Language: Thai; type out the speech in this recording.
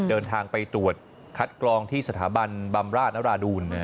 เดินทางไปตรวจคัดกรองที่สถาบันบำราชนราดูล